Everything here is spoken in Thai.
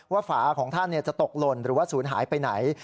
ฝาของท่านจะตกหล่นหรือว่าศูนย์หายไปไหน